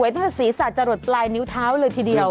ถ้าศีรษะจะหลดปลายนิ้วเท้าเลยทีเดียว